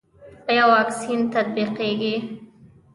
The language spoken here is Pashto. آیا واکسین تطبیقیږي؟